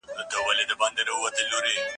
اسلام د انسان خرڅول غندلي دي.